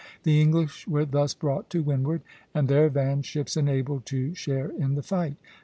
The English were thus brought to windward, and their van ships enabled to share in the fight.